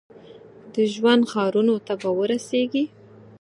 د ژوند ښارونو ته به ورسیږي ؟